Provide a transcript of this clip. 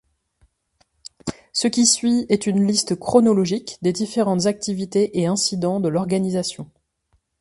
Ce qui suit est une liste chronologique des différentes activités et incidents de l'organisation.